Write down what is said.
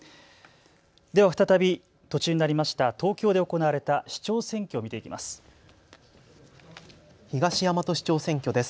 では再び、途中になりました、東京で行われた市長選挙を見ていきましょう。